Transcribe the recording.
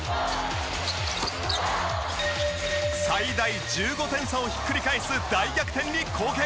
最大１５点差をひっくり返す大逆転に貢献。